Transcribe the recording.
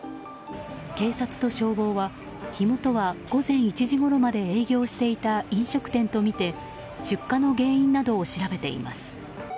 警察と消防は、火元は午前１時ごろまで営業していた飲食店とみて出火の原因を調べています。